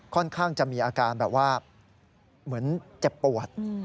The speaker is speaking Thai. ค่อนข้างจะมีอาการแบบว่าเหมือนเจ็บปวด